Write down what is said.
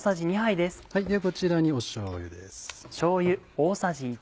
こちらにしょうゆです。